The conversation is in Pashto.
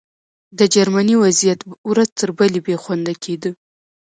د جرمني وضعیت ورځ تر بلې بې خونده کېده